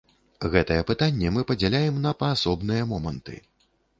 Гэтае пытанне мы падзяляем на паасобныя моманты.